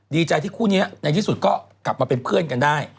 ดีใจที่คู่นี้ในที่สุดก็กลับมาเป็นเพื่อนกันได้